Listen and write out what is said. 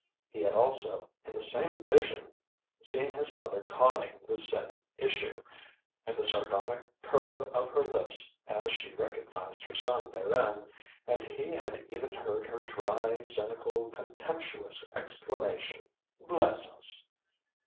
He had also, in the same vision, seen his mother conning the said issue, and the sardonic curve of her lips as she recognised her son therein, and he had even heard her dry, cynical, contemptuous exclamation: "Bless us!"